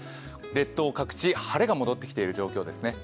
列島各地、晴れが戻ってきている状況です。